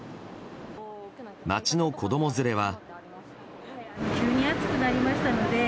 街の子供連れは。